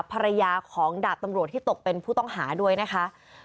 ภรรยาของดาบตำรวจที่ตกเป็นผู้ต้องหาด้วยนะคะ